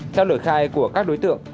theo lời khai của các đối tượng